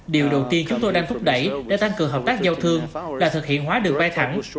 điều đầu tiên chúng tôi đang thúc đẩy để tăng cường hợp tác giao thương là thực hiện hóa đường vai thẳng